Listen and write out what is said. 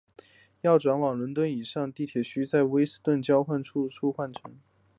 要转往其他伦敦地上线路须在卫斯顿交汇站等站换乘。